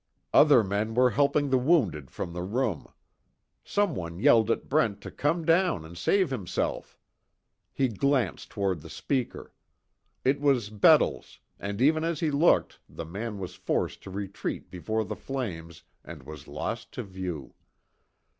Other men were helping the wounded from the room. Someone yelled at Brent to come down and save himself. He glanced toward the speaker. It was Bettles, and even as he looked the man was forced to retreat before the flames and was lost to view.